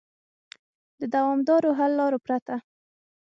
د دوامدارو حل لارو پرته